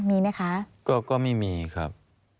มีไหมคะก็ไม่มีครับ